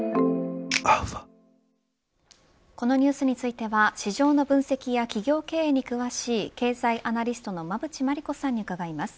このニュースについては市場の分析や企業経営に詳しい経済アナリストの馬渕磨理子さんに伺います。